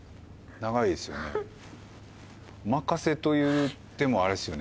長いお任せといってもあれですよね